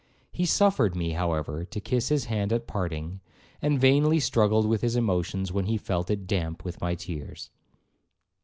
He suffered me, however, to kiss his hand at parting, and vainly struggled with his emotions when he felt it damp with my tears.